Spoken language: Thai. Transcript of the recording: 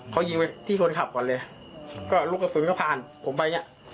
เขายิงไปที่คนขับก่อนเลยก็ลูกกระสุนก็ผ่านผมไปเนี้ย